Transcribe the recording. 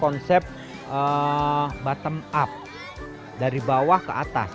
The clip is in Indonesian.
konsep bottom up dari bawah ke atas